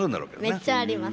めっちゃあります。